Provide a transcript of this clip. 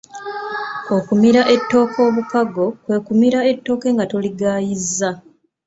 Okumira ettooke obukago kwe kumira ettooke nga toligaayizza